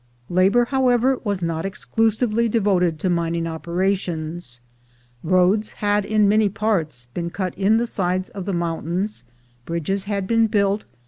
Labor, however, was not exclusively devoted to mining operations. Roads had in many parts been cut in the sides of the mountains, bridges had been bmlt.'